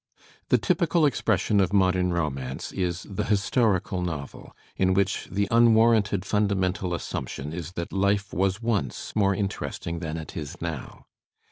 The typical expression of modem romance \ is the historical novel, in which the unwarranted fundamental assumption is that life was once more interesting than it is now.